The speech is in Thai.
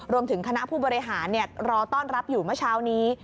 คณะผู้บริหารรอต้อนรับอยู่เมื่อเช้านี้